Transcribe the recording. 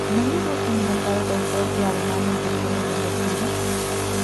¿Non lles gusta implantar o transporte á demanda en período non lectivo?